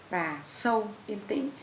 và sâu yên tĩnh